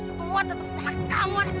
si keluar tetep salah kamu anak panggung